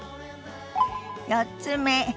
４つ目。